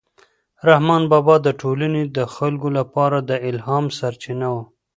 رحمان بابا د ټولنې د خلکو لپاره د الهام سرچینه و.